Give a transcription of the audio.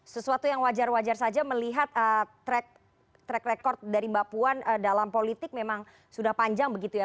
sesuatu yang wajar wajar saja melihat track record dari mbak puan dalam politik memang sudah panjang begitu ya